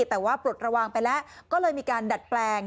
แต่ว่าปลดระวังไปแล้วก็เลยมีการดัดแปลง